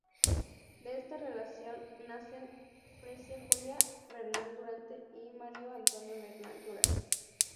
De esta relación, nacen Fresia Julia Vernal Duarte y Mario Antonio Vernal Duarte.